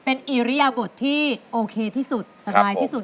เป็นอิริยบทที่โอเคที่สุดสบายที่สุด